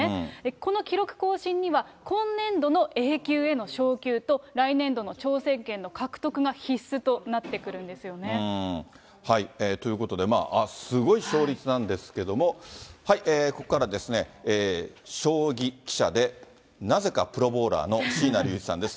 この記録更新には、今年度のＡ級への昇級と、来年度の挑戦権の獲得が必須となってくるんですよね。ということで、すごい勝率なんですけども、ここからは、将棋記者でなぜかプロボウラーの椎名龍一さんです。